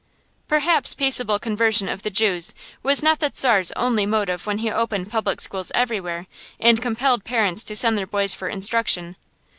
Perhaps peaceable conversion of the Jews was not the Czar's only motive when he opened public schools everywhere and compelled parents to send their boys for instruction.